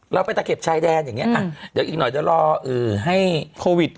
เราไปตะเข็บชายแดนอย่างเงี้ยอ่าเดี๋ยวอีกหน่อยจะรอเออให้โควิด